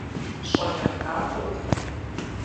Щӏалэфӏ натӏэ ухъу!